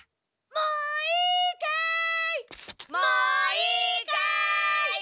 もういいかい？